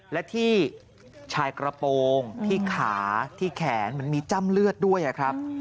และที่ชายกระโปรงที่ขาที่แขนมันมีจ้ำเลือดด้วยครับ